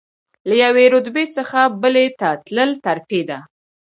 له یوې رتبې څخه بلې ته تلل ترفیع ده.